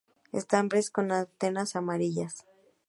Estambres con anteras amarillas.